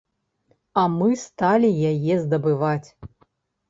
А мы сталі яе здабываць.